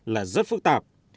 là rất phức tạp